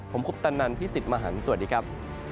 ผมคุปตันนันพี่สิทธิ์มหันฯสวัสดีครับ